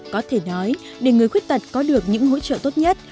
có thể nói để người khuyết tật có được những hỗ trợ tốt nhất